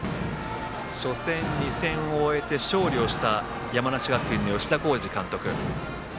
初戦、２戦を終えて勝利をした山梨学院の吉田洸二監督。